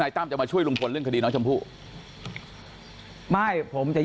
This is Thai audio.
คุยกันต่อวันหลังนะเรื่องซิมเนี้ยวันนี้คุยกันต่อวันหลังนะเรื่องซิมเนี้ย